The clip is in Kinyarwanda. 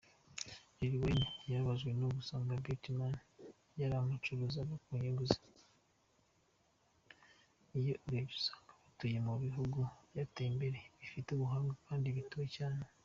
Iyo urebye usanga batuye mu bihugu byateye imbere, bifite ubuhanga kandi bituwe cyane .